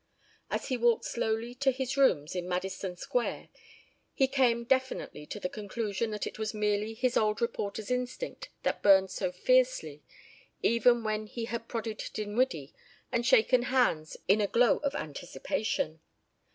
As he walked slowly to his rooms in Madison Square he came definitely to the conclusion that it was merely his old reporter's instinct that burned so fiercely, even when he had prodded Dinwiddie and shaken hands in a glow of anticipation.